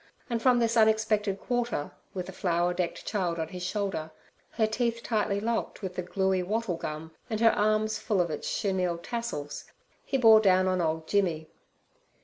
And from this unexpected quarter, with the flower decked child on his shoulder, her teeth tightly locked with the gluey wattle gum, and her arms full of its chenille tassels, he bore down on old Jimmy.